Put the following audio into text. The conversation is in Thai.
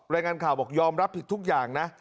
รายงานข่าวบอกยอมรับผิดทุกอย่างนะ